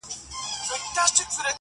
ساقي پر ملا را خمه سه پر ملا در مات دی